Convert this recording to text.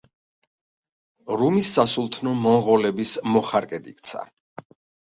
რუმის სასულთნო მონღოლების მოხარკედ იქცა.